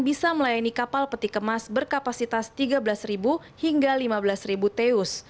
bisa melayani kapal peti kemas berkapasitas tiga belas hingga lima belas teus